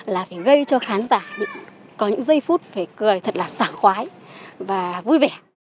là phải gây cho khán giả có những giây phút phải cười thật là xả khoái và vui vẻ